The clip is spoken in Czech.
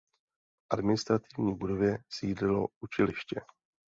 V administrativní budově sídlilo učiliště.